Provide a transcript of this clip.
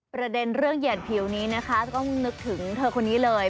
ประเด็นเรื่องเหยียดผิวนี้นะคะจะต้องนึกถึงเธอคนนี้เลย